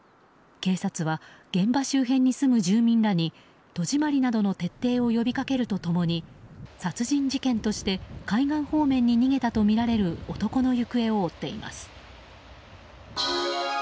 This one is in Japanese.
警察は現場周辺に住む住民らに戸締まりなどの徹底を呼び掛けると共に殺人事件として海岸方面に逃げたとみられる男の行方を追っています。